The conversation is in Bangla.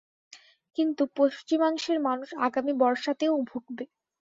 কিন্তু পশ্চিমাংশের মানুষ আগামী বর্ষাতেও ভুগবে।